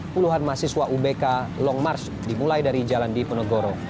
puluhan mahasiswa ubk long march dimulai dari jalan diponegoro